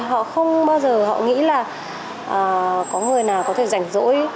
họ không bao giờ họ nghĩ là có người nào có thể rảnh rỗi